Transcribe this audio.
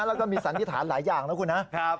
แล้วก็มีสันนิษฐานหลายอย่างนะครับ